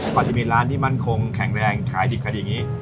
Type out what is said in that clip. พอที่มีร้านที่มันคงแข็งแรงขายดิบขาดอย่างนี้